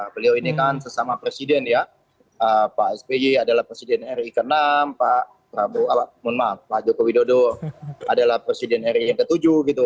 beliau ini kan sesama presiden ya pak sby adalah presiden ri ke enam pak prabowo mohon maaf pak joko widodo adalah presiden ri yang ke tujuh gitu